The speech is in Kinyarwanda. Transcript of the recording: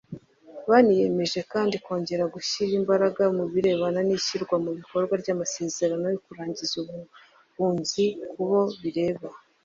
Baniyemeje kandi kongera gushyira imbaraga mu birebana n’ishyirwa mu bikorwa ry’amasezerano yo kurangiza ubuhunzi kubo bireba